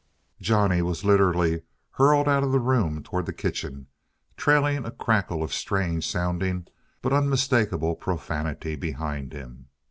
Johnny was literally hurled out of the room toward the kitchen, trailing a crackle of strange sounding but unmistakable profanity behind him.